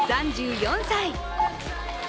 ３４歳。